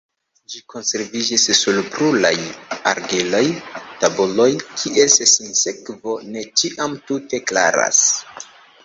Ĝi konserviĝis sur pluraj argilaj tabuloj, kies sinsekvo ne ĉiam tute klaras.